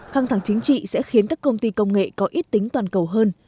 căng thẳng chính trị sẽ khiến các công ty công nghệ có ít tính toàn cầu hơn